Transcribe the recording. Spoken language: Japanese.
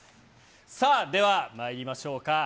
さあ、ではまいりましょうか。